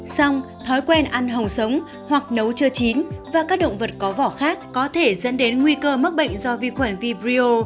xong thói quen ăn hầu sống hoặc nấu chưa chín và các động vật có vỏ khác có thể dẫn đến nguy cơ mất bệnh do vi khuẩn vibrio